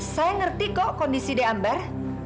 saya ngerti kok kondisi deambar